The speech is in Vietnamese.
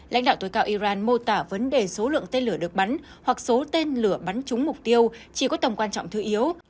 lãnh đạo tối cao iran mô tả vấn đề số lượng tên lửa được bắn hoặc số tên lửa bắn trúng mục tiêu chỉ có tầm quan trọng thứ yếu